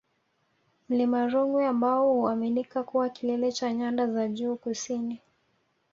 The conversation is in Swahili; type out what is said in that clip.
Mlima Rungwe ambao huaminika kuwa kilele cha Nyanda za Juu Kusini